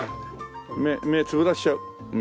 目つぶらせちゃう目。